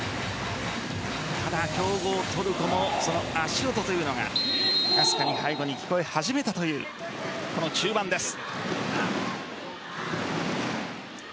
ただ、強豪・トルコのその足音というのが確かに背後に聞こえ始めたというこの中盤です。